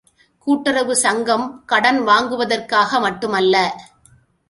கூட்டுறவு சங்கம் கடன் வாங்குவதற்காக மட்டும் அல்ல.